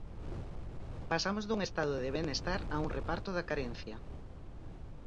Pasamos dun Estado de Benestar a un reparto da carencia.